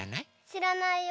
しらないよ。